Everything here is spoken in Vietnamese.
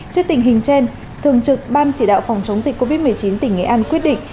trước tình hình trên thường trực ban chỉ đạo phòng chống dịch covid một mươi chín tỉnh nghệ an quyết định